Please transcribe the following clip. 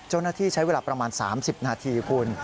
เจ้าหน้าที่ใช้เวลาประมาณ๓๐นาทีคุณ